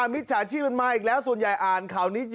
มิถฉันที่มาอีกแล้วส่วนใหญ่อ่านข่าวนี้